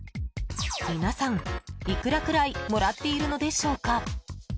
皆さん、いくらくらいもらっているのでしょうか？